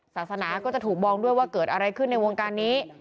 ศาสนาก็จะถูกมองด้วยว่าเกิดอะไรขึ้นในวงการนี้